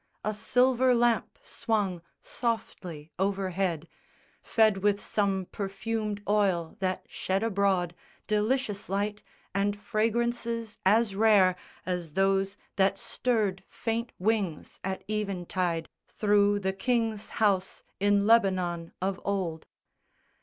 A silver lamp swung softly overhead, Fed with some perfumed oil that shed abroad Delicious light and fragrances as rare As those that stirred faint wings at eventide Through the King's House in Lebanon of old.